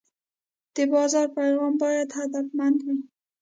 د بازار پیغام باید هدفمند وي.